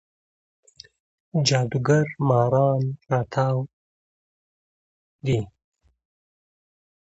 جادوګر ماران راتاو دی